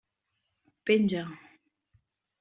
Penja.